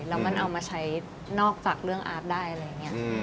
แล้วมันเอามาใช้นอกจากเรื่องอาร์ตได้อะไรอย่างนี้